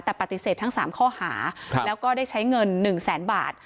แต่ปฏิเสธทั้ง๓ข้อหาแล้วก็ได้ใช้เงิน๑แสนบาท